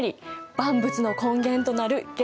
万物の根源となる元素。